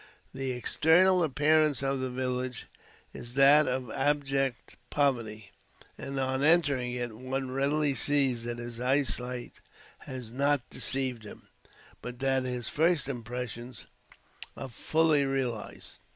The external appearance of the village is that of abject poverty; and, on entering it, one readily sees that his eyesight has not deceived him, but that his first impressions are fully realized.